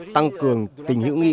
tăng cường tình hữu nghị